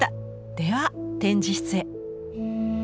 では展示室へ！